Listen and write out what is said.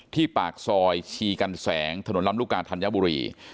ปากซอยชีกันแสงถนนลำลูกกาธัญบุรี